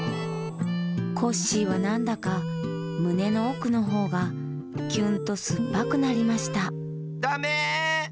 コッシーはなんだかむねのおくのほうがキュンとすっぱくなりましただめ！